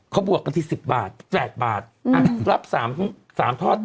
เขาบวกกันที่๑๐บาท๘บาทรับ๓ทอด